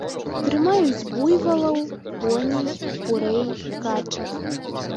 Трымаюць буйвалаў, коней, курэй, качак.